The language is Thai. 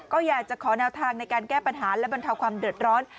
ก็อยากจะขอแนวทางในการแก้ปัญหาและบรรเทาความเดือดร้อน